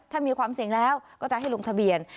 ถ้ามีความเสี่ยงแล้วก็จะให้ลงทะเบียน